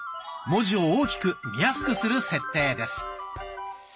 文字を大きく見やすくする設定です。